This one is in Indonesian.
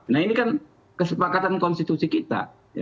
nah ini kan kesepakatan konstitusi kita